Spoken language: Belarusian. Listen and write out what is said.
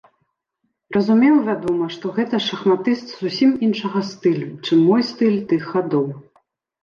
Разумеў, вядома, што гэта шахматыст зусім іншага стылю, чым мой стыль тых гадоў.